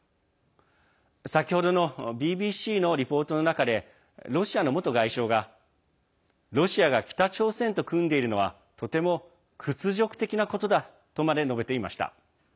先ほどのＢＢＣのリポートの中でロシアの元外相がロシアが北朝鮮と組んでいるのはとても屈辱的なことだとまで述べていました。